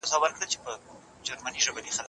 الله د ټولو شیانو خالق او مالک دی.